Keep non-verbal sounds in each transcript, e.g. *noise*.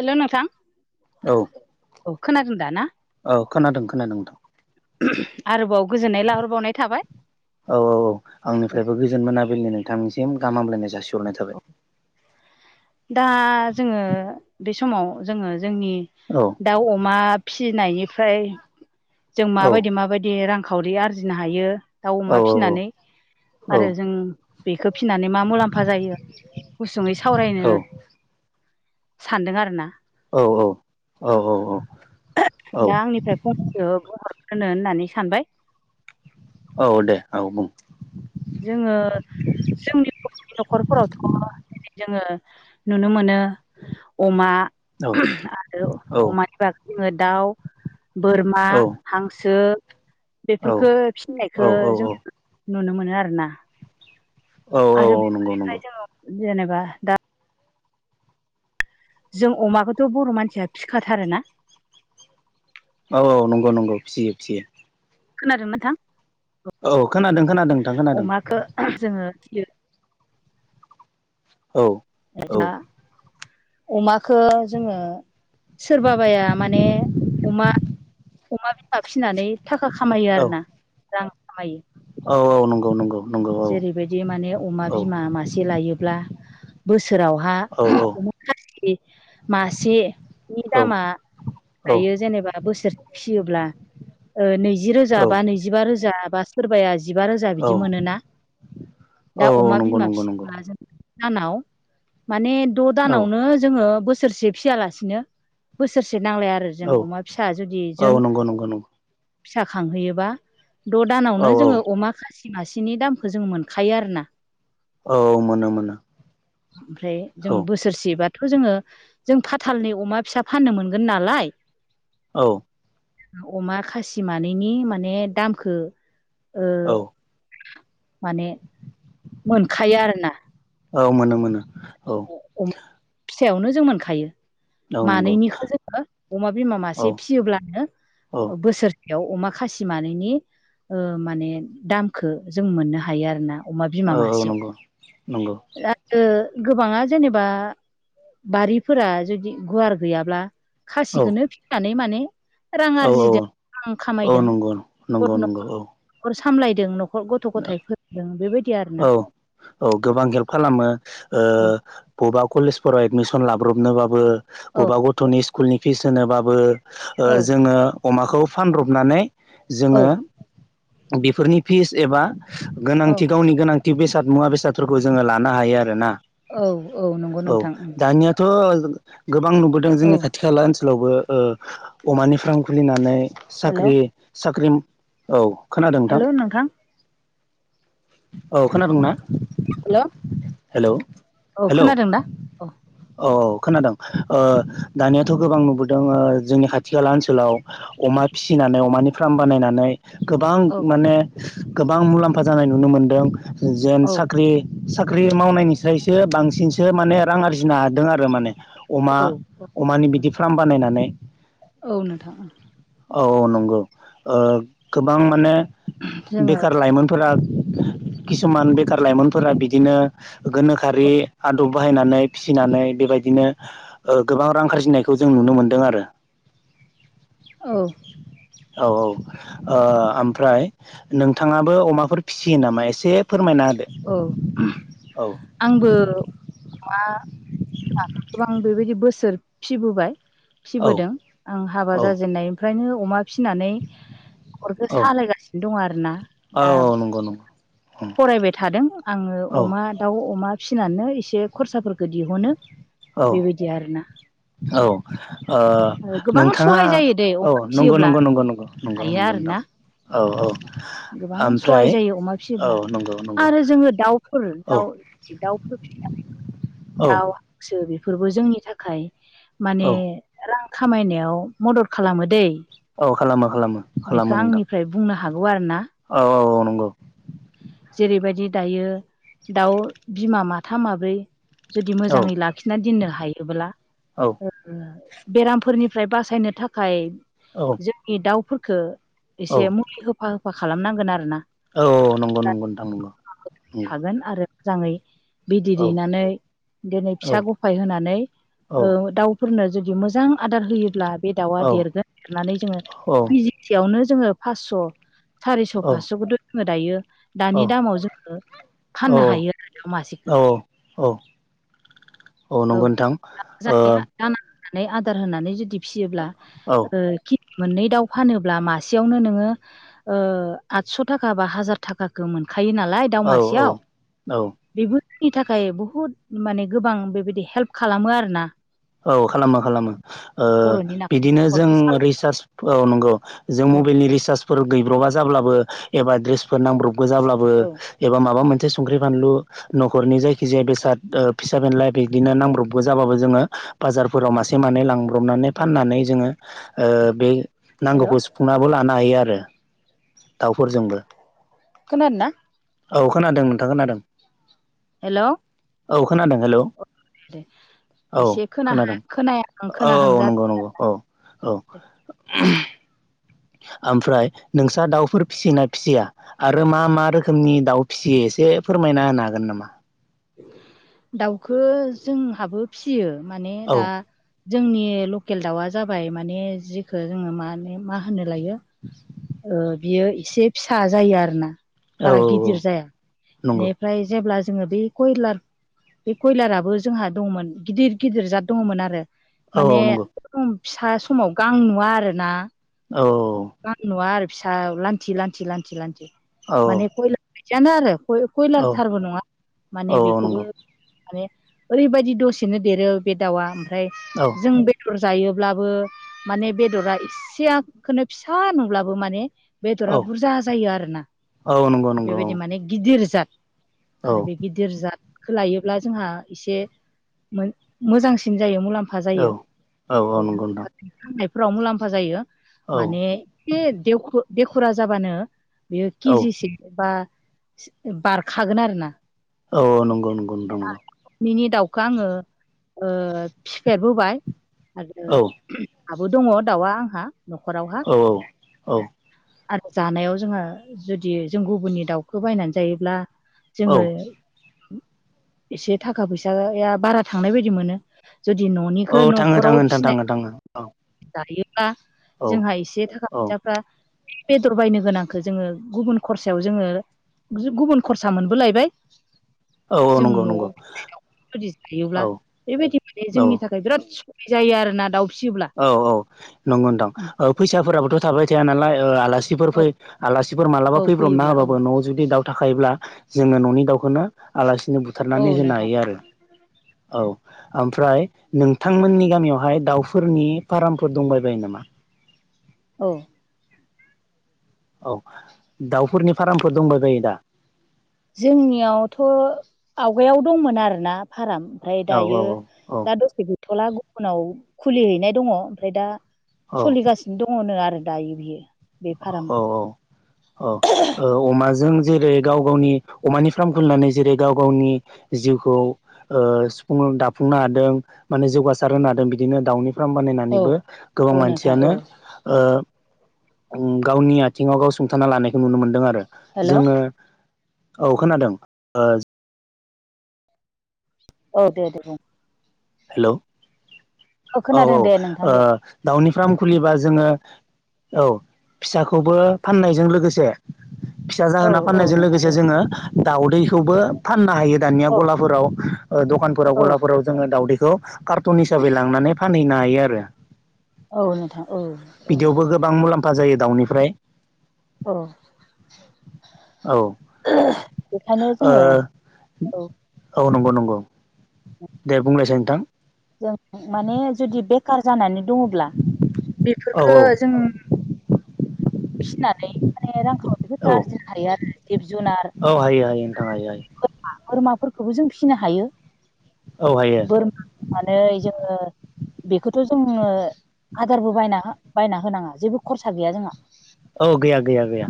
हेल' नोंथां औ औ खोनादों दा ना? औ खोनादों खोनादों नोंथां। आरोबाव गोजोननाय लाहरबावनाय थाबाय। औ औ औ आंनिफ्रायबो गोजोन मोनाबिलिनि नोंथांनिसिम गाहाम हामलायनाय जासिहरनाय थाबाय। दा जोङो बे समाव जोङो जोंनि औ दाउ अमा फि फिनायनिफ्राय जों औ माबायदि माबायदि रांखावरि आरजिनो हायो दाउ औ अमा फिसिनानै औ आरो जों बेखौ फिनानै मा मुलाम्फा जायो? गुसुङै सावरायनो औ सानदों आरोना। औ औ औ औ औ दा आंनिफ्राय फंनैसो बुंहरग्रो होननानै सानबाय। औ दे औ बुं। जोङो जोंनि बर'नि न'खरफोरावथ' जोङो नुनो मोनो अमा औ आरो औ अमानि बागै जोङो दाउ बोरमा औ हांसो औ बेफोरफोरखो फिननायखो औ औ जों नुनो मोनो आरो ना। औ औ औ नंगौ नंगौ। जेनेबा दा जों अमाखौथ' बर' मानसिया फिखाथार ना। औ औ नंगौ नंगौ फियो फिसियो। खोनादों ना नोंथां औ खोनादों खोनादों नोंथां खोनादों अमखौ जोङो फियो। औ औ। अमखौ जोङो सोरबाबाया माने अमा अमा बिमा फिसिनानै थाखा खामायो औ आरोना रां खामायो। औ औ नंगौ नंगौ। नंगौ औ जेरैबायदि माने अमा औ बिमा मासे लायोब्ला बोसोरावहा औ अमा खासि मासेनि औ दामा दायो जेनेबा बोसोरसे फिसियोब्ला ओ नैजि रोजा बा नैजिबा रोजा बा सोरबाया जिबा रोजा बिदि मोनोना दा औ औ अमा नंगौ बिमा नंगौ नंगौ फिब्ला जों दानाव माने द' दानावनो जोङो बोसोर बोसोरसे फिसियालासिनो बोसोरसे एसे नांलाया आरो जों औ अमा फिसा जुदि औ जोन नंगौ नंगौ नंगौ फिसा खांहैयोबा द' औ दानावनो औ जोङो अमा खासि मासेनि दामखौ जों मोनखायो आरोना। औ मोनो मोनो। ओमफ्राय जों औ बोसोरसे बा थ' जोङो जों फाथालनि अमा फिसा फाननो मोनगोन नालाय औ। अमा खासि मानैनि माने दामखो ओ औ माने मोनखायो आरो ना। औ मोनो मोनो औ। फिसायावनो जों मोनखायो। औ नंगौ मानैनिखौ जोङो अमा बिमा औ मासे फियोब्लानो औ बोसोरसे बेयाव अमा खासि मानैनि माने दामखौ जों मोननो हायो आरो ना। औ औ नंगौ। नंगौ *unintelligible* गोबाङा जेनेबा बारिफोरा जुदि गुवार गैयाब्ला औ खासिखौनो फिनानै माने रां औ आरजिदों रां औ खामायदों नंगौ नंगौ नंगौ औ न'खर सामलायदों नख गथ' गथाय फोरोंदों बेबायदि आरो ना। औ औ गोबां हेल्प खालामो ओ बबेबा कलेजफोराव एडमिसन लाब्रबनोबाबो। औ बबेबा गथ'नि स्कुलनि फिस होनोबाबो ओ औ जोङो अमाखौ फानब्रबनानै औ जोङो बेफोरनि फिस एबा औ गोनांथि गावनि गोनांथि बेसाद मुवा बेसादफोरखौ जोङो लानो हायो आरोना औ औ नंगौ औ नोंथां दानियाथ' गोबां नुबोदों औ जोंनि खाथि खाला ओनसोलावबो ओ अमानि फाराम खुलिनानै हेल' साख्रि साख्रि औ हेलौ‌ नोंथां। औ खोनादोंना? हेलौ‌ हेलौ औ हेलौ खोनादों दा औ। औ खोनादों ओ दानियाथ' गोबां नुबोदों जोंनि खाथि खाला ओनसोलाव अमा अमा फिसिनानै अमानि फार्म बानायनानै गोबां औ माने गोबां मुलाम्फा जानाय नुनो मोनदों जेन औ साख्रि साख्रि मावनायनिफ्रायसो बांसिनसो माने रां आरजिनो हादों आरो माने। अमा औ औ अमानि बिदि फार्म बानायनानै औ नोंथां। औ औ नंगौ ओ गोबां माने जोङो बेखार लाइमोन फोरा किसुमान बेखार लाइमोनफोरा बिदिनो औ गोनोखोआरि आदब बाहायनानै फिसिनानै बेबायदिनो ओ गोबां रां आरजिनायखौ जों नुनो मोनदों आरो। औ औ ओ ओमफ्राय नोंथाङाबो अमाफोर फिसियो नामा एसे फोरमायना होदो औ औ आंबो। मा हाखौ गोबां बेबायदि बोसोर फिसिबोबाय। औ फिसिबोदों आं हाबा औ जाजेननायनिफ्रायनो अमा फिनानै नख'रखो औ सालायगासिनो दं आरोना दा। औ नंगौ नंगौ फरायबाय थादों आङो औ अमा दाउ अमा फिसिनानो एसे खरसाफोरखौ दिहुनो। औ बेबायदि आरोना। औ ओ गोबां नोंथाङा सहाय जायो दै औ अमा नंगौ फिसियोब्ला नंगौं नंगौं नंगौं नंगौ हायो नंगौ। दाउ आरोना औ गोबां औ ओमफ्राय सहाय जायो अमा औ। फिसियोब्ला नंगौ नंगौ आरो जोङो दाउफोर औ दाउ दाउफोर फिसि औ दाउ हांसो बेफोर बेफोरबो जोंनि थाखाय औ माने रां खामायनायाव मदद खालामो दै। औ खालामो खालामो खालामो बेखौ नोंथां आंनिफ्राय बुंनो हागौ आरो ना। औ औ नों। जेरैबायदि दायो दाउ बिमा माथाम माब्रै जुदि औ मोजाङै लाखिनानै दोननो हायोब्ला औ ओ बेरामफोरनिफ्राय बासायनो थाखाय औ जोंनि दाउफोरखौ औ एसे मुलि होफा होफा खालामनांगोन आरो ना। औ नंगौ नंगौ नोंथां नंगौ नंगौ। थागोन आरो मोजाङै बिदै औ दैेनानै दिनै औ फिसा गफाय होनानै औ ओ दाउ फोरनो जुदि मोजां आदार होयोब्ला बे दाउआ औ देरगोन देरनानै जोङो औ किजिसेयावनो जोङो फासस' सारिस' फासस'खौथ' जोङो दायो दानि दामाव जोङो फाननो औ हायो आरो दाउ मासेखौ औ औ औ नंगौ नोंथां ओ जानाया जा नानै आदार होनानै जुदि फिसियोब्ला ओ कि मोननै दाउ फानोब्ला मासेयावनो नोङो ओ आठस' थाखा बा हाजार थाखाखो मोनखायो नालाय दाउ औ मासेयाव औ औ बेबो नि थाखाय बहुद माने गोबां बेबायदि हेल्प खालामो आरोना औ खालामो खालामो बर'नि नाखौ बिदिनो जों न'खरखौ सालायनो रिसार्ज औ नंगौ जों औ मबाइलनि रिसार्ज फोर गैब्रबा जाब्लाबो एबा द्रेसफोर नांब्रबगौ जाब्लाबो औ एबा मा मोनसे संख्रि फानलु नखरनि जायखिजाया बेसाद फिसा बेनलााय बिदिनो नांब्रबबो जाबो जोङो बाजारफोराव मासे मानै लांब्रबनानै फाननानै जोङो ओ बे हेल' नांगौखौ सुफुंनाबो लानो हायो आरो। दाउफोरजोंबो खोनादों ना औ खोनादों नोंथां खोनादों हेल' औ खोनादों हेल' एसे खोनाहां खोनादों खोनायाहां खोनाहां औ नंगौ-नंगौ औ-औ जादों ओमफ्राय नोंस्रा दाउफोर फिसियोना फिसिया आरो मा-मा रोखोमनि दाउ फिसियो एसे फोरमायना होनो हागोन नामा दाउखो जोंहाबो फिसियो माने औ दा जोंनि लकेल दाउआ जाबाय माने जिखो जोङो माने मा होनो लायो बियो एसे फिसा जायो आरोना औ बारा गिदिर जाया नंगौ बेनिफ्राय जेब्ला जोङो बे कयलार बे कयलाराबो जोंहा दङमोन गिदिर गिदिर जाद दङमोन आरो औ माने औ नंगौ फिसा समाव गां नुवा आरोना औ गां नुवा आरो फिसा लान्थि लान्थि लान्थि लान्थि औ माने खयलार बादियानो आरो कयलार औ थारबो नङा माने औ बेखौबो नंगौ माने ओरैबायदि दसेनो देरो बे दाउआ ओमफ्राय औ जों बे दर जायोब्लाबो माने बेदरा इसेखौनो फिसा नुब्लाबो माने बेदरा बुरजा जायो आरोना औ नंगौ नंगौ बेबायदि माने गिदिर जा औ आरो बे गिदिर जा दखौ लायोब्ला जोंहा एसे मोजांसिन जायो मुलाम्फा फा औ जायो औ ओ नंगौ नोंथां मुलाम्फा जायो फोराव मुलाम्फा जायो औ माने एसे देखरा जाबानो बेयो औ औ केजिसे बा बारखागोन आरोना औ नंगौ नंगौ नोंथौ नंगौ बेखौ आङो फिसिफेरबोबाय आरो औ आबो दङ दाउआ आंहा न'खरावहा औ-औ-औ आरो जानायाव जोङो जुदि जों गुबुननि दाउखौ बायनानै जायोब्ला जोङो औ एसे थाखा फैसाया बारा थांनाय बायदि मोनो जुदि न'निखौ औ थाङो थाङो न'खराव नोंथां थाङो फिसिनायखौ थाङो औ जायोब्ला औ जोंहा एसे थाखा औ फैसाफ्रा बेदर बायनो गोनांखो जोङो गुबुन खरसायाव जोङो गुबुन खरसा मोनबोलायबाय औ औ जों नंगौ नंगौ न'आव *unintelligible* जायोब्ला औ बेबायदि माने जोंनि औ थाखाय बिराद जायो आरो ना दाउ फिसियोब्ला औ औ नंगौ दां फैसाफोराबोथ' थाबाय थाया नालाय ओ आला आलासिफोर औ फै आलासिफोर मालाबा औ फैब्रबना फैयोब्ला औ होबाबो न'आव जुदि दाउ थाखायोब्ला जोङो न'नि दाउखौनो आलासिनो औ बुथारनानै होनो नोंथां हायो आरो औ ओमफ्राय नोंथांमोननि गामियावहाय दाउफोरनि फार्मफोर दंबायबायो नामा औ औ दाउफोरनि फार्मफोर दंबाय बायो दा जोंनियावथ' आवगायाव दंमोन आरोना फाराम ओमफ्राय औ औ दायो औ दा दसे गैथला गुबुनाव खुलिहैनाय दङ ओमफ्राय दा औ सोलिगासिनो दङनो आरो दायो बियो बे फार्मा औ-औ-औ ओ अमाजों जेरै गाव गावनि अमानि फार्म खुलिनानै जेरै गाव गावनि जिउखौ सुफुं दाफुंनो हादों माने जौगासार होनो हादों बिदिनो दाउनि फ्राम औ बानायनानैबो गोबां औ नोंथां औ मानसियानो ओ गावनि आथिङाव गाव सुंथाना लानायखौ नुनो मोनदों आरो हेल' जोंङो औ खोनादों ओ। औ हेलो औ औ खोनादों दे नोंथां दे ओ दाउनि फार्म खुलिबा जोङो औ फिसाखौबो फाननायजों लोगोसे फिसा औ जाहोना औ फाननायजों नोंथां लोगोसे औ जोङो दाउदैखौबो फाननो हायो दानिया औ गलाफोराव। ओ दखानफोराव औ गलाफोराव जोङो दाउदैखौ कार्टन हिसाबै लांनानै फानहैनो हायो आरो। औ नोंथां औ औ बिदियावबो औ गोबां मुलाम्फा जायो दाउनिफ्राय। औ औ बेखायनो औ जोङो औ ओ नंगौ नंगौ नंगौ दे बुंलायसाय नोंथां जों माने जुदि बेखार जानानै दङब्ला औ बेफोरखो औ जों फिसिनानै माने रां *unintelligible* औ आरो जिब-जुनार औ हायो हायो नोंथां हायो हायो बोरमा फोरखौबो जों फिसिनो हायो औ हायो बोरमा फनानै जोङो बेखौथ' जोङो आदारबो बायना बायना होनाङा जेबो खरसा गैया जोंहा। औ गैया गैया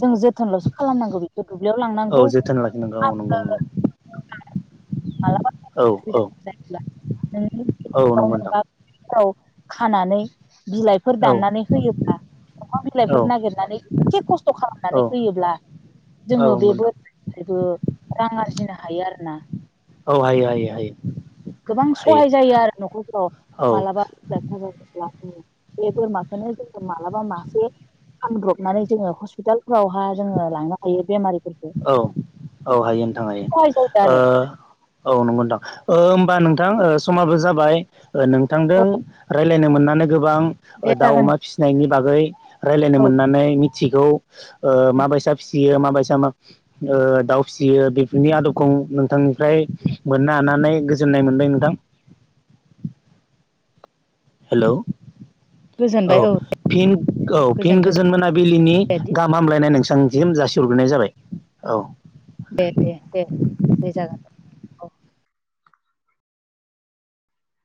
जोंङो जोथोनलसो खालामनांगौ बेखौ दुब्लियाव लांनांगौ औ जोथोन लाखिनांगौ औ नंगौ आरो नंगौ औ औ औ नंगौ नोंथां *inaudible* फाव खानानै बिलाइफोर औ दाननानै होयोब्ला अमा औ बिलाइफोर नागिरनानै एसे खस्थ खालामनानै औ होयोब्ला जोङो औ बे नंगौ नोंथां बोरनिफ्रायबो रां आरजिनो हायो आरोना औ हायो हायो हायो। गोबां हायो सहाय जायो आरो नखरफ्राव औ मालाबा लोमजा जा जासा बे बोरमाखौनो जों मालाबा मासे फानब्रबनानै जोंङो हस्पिटालफोरावहा जोंङो लांनो हायो बेमारि औ औ हायो नोंथां सहाय जायो ओ आरो औ नंगौ नोंथां ओ होमबा नों थां ओ समाबो जाबाय ओ नोंथांजों औ रायलायनो मोननानै गोबां ओ दे दाउ, जागोन अमा फिसिनायनि बागै रायलायनो औ मोननानै मिथिगौ ओ माबायसा फिसियो माबायसा मा ओ दाउ फिसियो बेफोरनि आदबखौ नोंथांनिफ्राय मोननो हानानै गोजोननाय मोन बाय नोंथां हेल' औ गोजोनबाय औ फिन औ फिन गोजोनथों गोजोन मोनाबिलिनि दे दे गाहाम हामलायनाय नों थांसिम जासिहरग्रोनाय जाबाय औ। दे दे दे दे जागोन दे अ